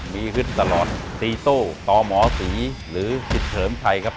มีฮึดตลอดตีโต้ต่อหมอศรีหรือฮิดเฉินไทยครับ